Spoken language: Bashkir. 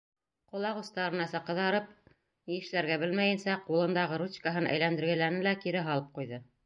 Ҡолаҡ остарынаса ҡыҙарып, ни эшләргә белмәйенсә, ҡулындағы ручкаһын әйләндергеләне лә кире һалып ҡуйҙы.